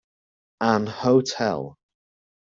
An hotel.